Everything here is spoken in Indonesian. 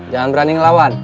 jangan berani ngelawan